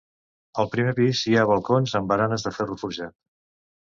Al primer pis hi ha balcons amb baranes de ferro forjat.